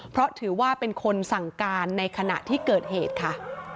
เพราะถือว่าเป็นคนสั่งการในขณะที่เกิดเหตุค่ะ